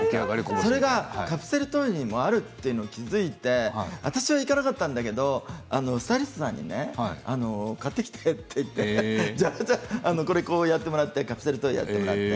それがカプセルトイにもあると気付いて私は行かなかったんだけどスタイリストさんに買ってきてって言ってカプセルトイやってもらって。